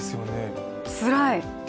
つらい。